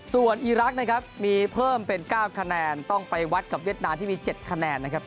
ส่วนอีรักษ์นะครับมีเพิ่มเป็น๙คะแนนต้องไปวัดกับเวียดนามที่มี๗คะแนนนะครับ